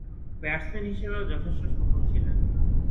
Batsman হিসেবেও যথেষ্ট সফল ছিলেন।